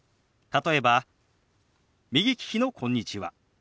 例えば右利きの「こんにちは」。